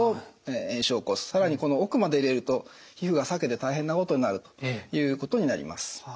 更にこの奥まで入れると皮膚が裂けて大変なことになるということになります。